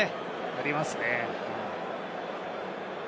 ありますね。